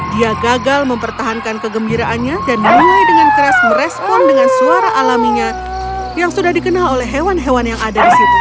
dia gagal mempertahankan kegembiraannya dan mulai dengan keras merespon dengan suara alaminya yang sudah dikenal oleh hewan hewan yang ada di situ